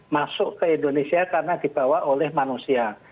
masuk ke indonesia karena dibawa oleh manusia